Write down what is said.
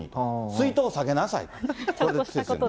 水筒さげなさいと。